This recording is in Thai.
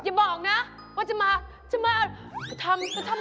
อย่าบอกนะว่าจะมาทำการอะไรบางอย่าง